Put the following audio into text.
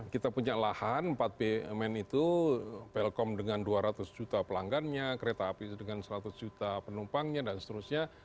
kita punya lahan empat bumn itu belkom dengan dua ratus juta pelanggannya kereta api itu dengan seratus juta penumpangnya dan seterusnya